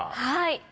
はい。